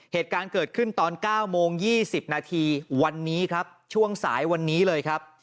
เหตุการณ์เกิดขึ้นตอน๙โมง๒๐นาทีวันนี้ครับช่วงสายวันนี้เลยครับ